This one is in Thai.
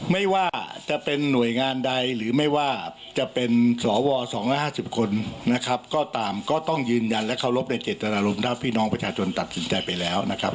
ไม่ว่าจะเป็นหน่วยงานใดหรือไม่ว่าจะเป็นสว๒๕๐คนนะครับก็ตามก็ต้องยืนยันและเคารพในเจตนารมณ์ถ้าพี่น้องประชาชนตัดสินใจไปแล้วนะครับ